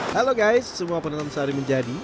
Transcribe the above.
halo guys semua penonton sehari menjadi